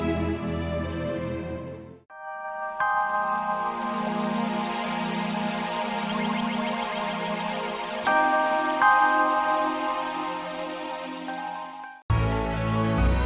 alterawat ini dia yang muncul